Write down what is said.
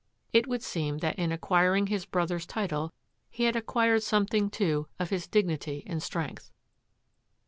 It would seem that in acquiring his brother's title he had acquired something, too, of his dignity and strength.